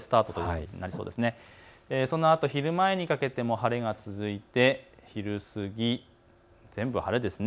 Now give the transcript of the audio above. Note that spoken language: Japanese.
そのあと昼前にかけても晴れが続いて全部晴れですね。